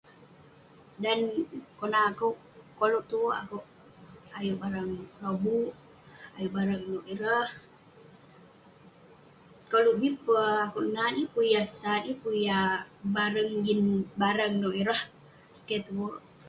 Dan konak akouk, koluk tuerk akouk ayuk barang lobuk..ayuk barang ireh..koluk bi peh akouk nat..yeng pun yah sat, yeng pun yah bareng jin barang nouk ireh..keh tuerk.